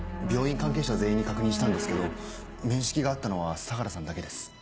病院関係者全員に確認したんですけど面識があったのは相良さんだけです。